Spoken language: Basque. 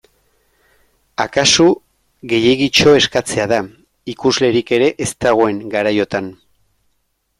Akaso gehiegitxo eskatzea da, ikuslerik ere ez dagoen garaiotan.